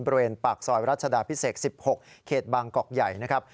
บริเวณปากซอยรัชดาพิเศษ๑๖เขตบางกอกใหญ่นะครับ